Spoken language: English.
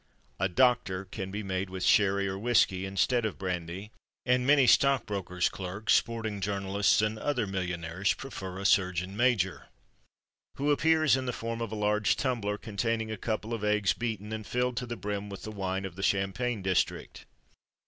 A "Doctor" can be made with sherry or whisky, instead of brandy; and many stockbrokers' clerks, sporting journalists, and other millionaires prefer a Surgeon Major, who appears in the form of a large tumbler containing a couple of eggs beaten, and filled to the brim with the wine of the champagne district.